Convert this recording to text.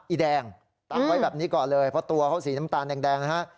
อีแดงตั้งไว้แบบนี้ก่อนเลยเพราะตัวเขาสีน้ำตาลแดงนะฮะ